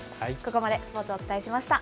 ここまでスポーツお伝えしました。